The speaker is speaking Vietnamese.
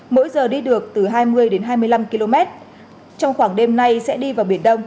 mỗi giờ đi được từ hai mươi đến hai mươi năm km trong khoảng đêm nay sẽ đi vào biển đông